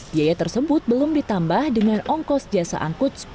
biaya tersebut belum ditambah dengan ongkos jasa angkut